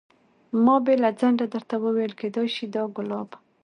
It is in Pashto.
ما بې له ځنډه درته وویل کېدای شي دا ګلاب.